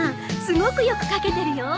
すごくよく書けてるよ。